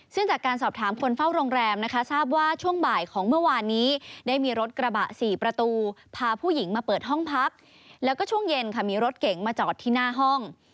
ซึ่งจากการสอบถามคนเฝ้าโรงแรมนะคะทราบว่าช่วงบ่ายของเมื่อวานนี้ได้มีรถกระบะ๔ประตูพาผู้หญิงมาเปิดห้องพักแล้วก็ช่วงเย็นค่ะมีรถเก๋งมาจอดที่หน้าห้อง